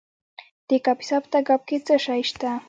د کاپیسا په تګاب کې څه شی شته؟